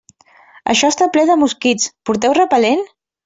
Això està ple de mosquits, porteu repel·lent?